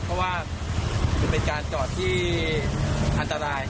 เพราะว่ามันเป็นการจอดที่อันตราย